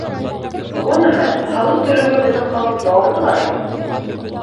Ғөмүмән, һалым түләүгә беҙҙең халыҡ яуаплы ҡараймы?